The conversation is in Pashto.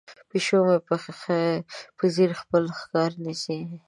پیشو مې په ځیر خپل ښکار نیسي.